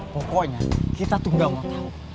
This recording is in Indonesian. pokoknya kita tuh gak mau tahu